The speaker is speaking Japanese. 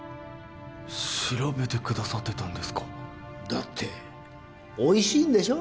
調べてくださってたんですかだっておいしいんでしょ？